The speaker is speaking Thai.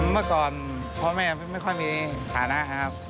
เมื่อก่อนพ่อแม่ไม่ค่อยมีฐานะนะครับ